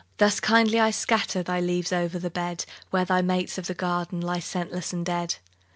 Thus kindly I scatter Thy leaves o'er the bed, Where thy mates of the garden Lie scentless and dead.